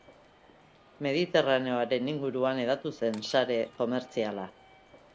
Mediterraneoaren inguruan hedatu zen sare komertziala.